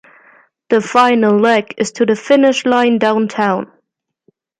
The final leg is to the finish line downtown.